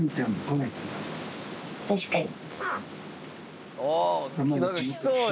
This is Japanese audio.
確かに。